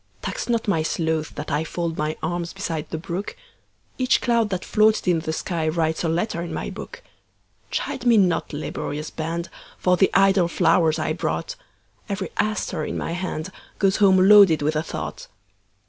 Tax not my sloth that IFold my arms beside the brook; Each cloud that floated in the skyWrites a letter in my book. Chide me not, laborious band, For the idle flowers I brought; Every aster in my handGoes home loaded with a thought.